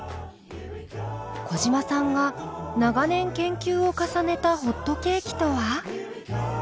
小嶋さんが長年研究を重ねたホットケーキとは？